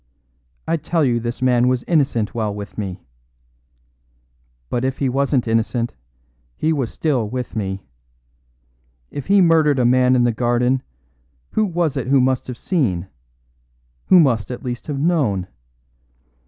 I tell you this man was innocent while with me. But if he wasn't innocent, he was still with me. If he murdered a man in the garden, who was it who must have seen who must at least have known?